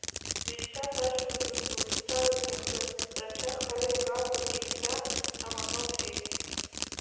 Дзышьҭаз аҷкәынгьы длыцәцар иҭахын, рацәак хара имгакәа дихьӡан, амаҟа лҟьеит.